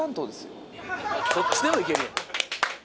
どっちでもいけるやん。